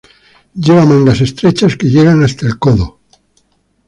Lleva mangas estrechas que llegan hasta el codo.